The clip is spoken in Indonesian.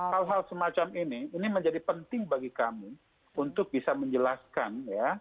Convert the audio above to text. hal hal semacam ini ini menjadi penting bagi kami untuk bisa menjelaskan ya